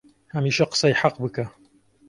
هەمیشە قسەی حەق بکە